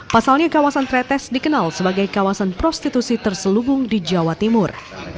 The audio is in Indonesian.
pasalnya kawasan tretes dikenal sebagai kawasan prostitusi terselubung di jawa timur